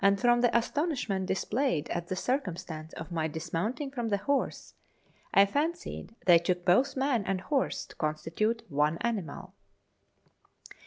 from the astonishment displayed at the circumstance of my dis mounting from the horse, I fancied they took both man and horse to constitute one animal.